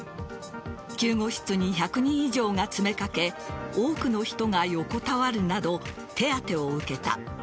救護室に１００人以上が詰めかけ多くの人が横たわるなど手当てを受けた。